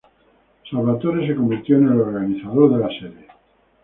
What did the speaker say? Salvatore se convirtió en el organizador de la serie.